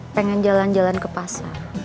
pengen jalan jalan ke pasar